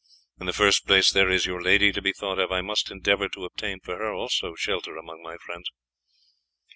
In the first place, there is your lady to be thought of; I must endeavour to obtain for her also shelter among my friends."